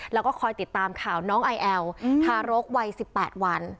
แล้วก็คอยติดตามข่าวน้องไอแอลทารกวัย๑๘วัน